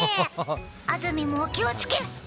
安住を気をつけ！